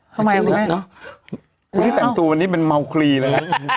คุณที่แต่งตัววันนี้เป็นเมาคลีแล้วนะ